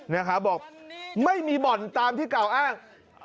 นะครับบอกไม่มีบ่อนตามที่กล่าวอ้าง